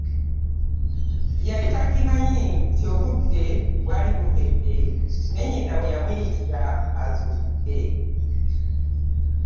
Yali takimanyi nti n'obudde bwali bukedde ne nnyina we yamuyitira azuukuke.